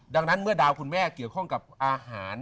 ดังนั้นเมื่อดาวคุณแม่เกี่ยวข้องกับอาหาร